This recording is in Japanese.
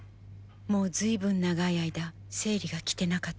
もう随分長い間生理が来てなかった。